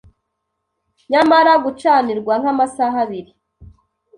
yamara gucanirwa nk’amasaha abiri